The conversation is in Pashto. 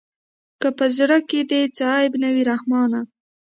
که په زړه کښې دې څه عيب نه وي رحمانه.